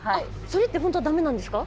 それって本当は駄目なんですか？